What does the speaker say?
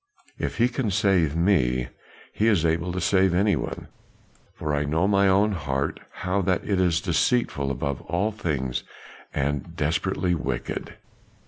If he can save me, he is able to save any one; for I know my own heart how that it is deceitful above all things and desperately wicked."